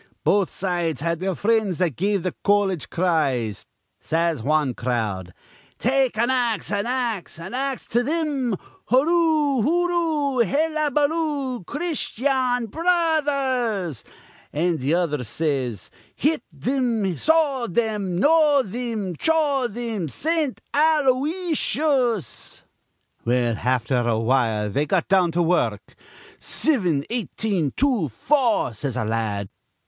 Both sides had their frinds that give th' colledge cries. Says wan crowd: 'Take an ax, an ax, an ax to thim. Hooroo, hooroo, hellabaloo. Christyan Bro others!' an' th' other says, 'Hit thim, saw thim, gnaw thim, chaw thim, Saint Alo ysius!' Well, afther awhile they got down to wur ruk. 'Sivin, eighteen, two, four,' says a la ad.